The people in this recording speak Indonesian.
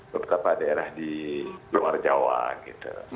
beberapa daerah di luar jawa gitu